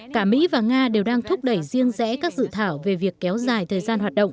cả mỹ và nga đều đang thúc đẩy riêng rẽ các dự thảo về việc kéo dài thời gian hoạt động